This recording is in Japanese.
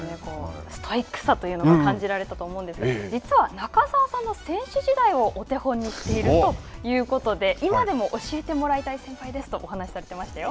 ストイックさというのも感じられたと思うんですが、実は中澤さんの選手時代をお手本にしているということで、今でも教えてもらいたい先輩ですとお話しされてましたよ。